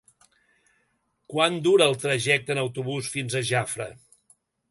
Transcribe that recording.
Quant dura el trajecte en autobús fins a Jafre?